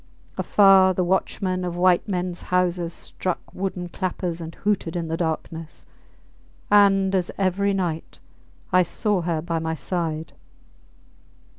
Afar, the watchmen of white mens houses struck wooden clappers and hooted in the darkness. And, as every night, I saw her by my side.